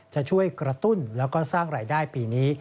จะช่วยกระตุ้นแล้วก็สร้างรายได้ปีนี้